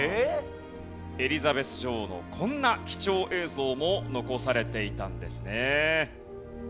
エリザベス女王のこんな貴重映像も残されていたんですね。